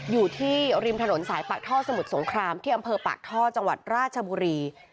อยู่ที่ริมถนนสายปากท่อสมุทรสงครามที่อำเภอปากท่อจังหวัดราชบุรี